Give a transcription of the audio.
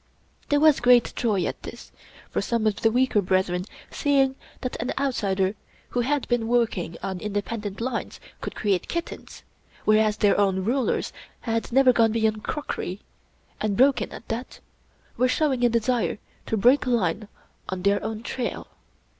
There was great joy at this, for some of the weaker brethren see ing that an outsider who had been working on independent lines could create kittens, whereas their own rulers had never gone beyond crockery — ^and broken at that — ^were showing a desire to break line on their own trail.